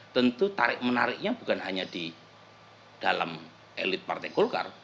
tentu tarik menariknya bukan hanya di dalam elit partai golkar